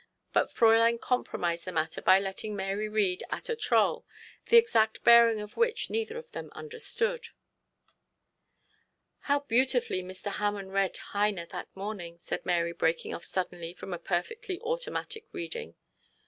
But Fräulein compromised the matter by letting Mary read Atta Troll, the exact bearing of which neither of them understood. 'How beautifully Mr. Hammond read Heine that morning!' said Mary, breaking off suddenly from a perfectly automatic reading.